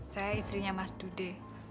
saya istrinya mas dude